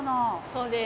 そうです。